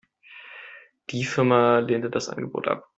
Die Firma lehnte das Angebot ab.